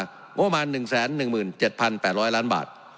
งบประมาณ๑๑๗๘๐๐ล้านบาท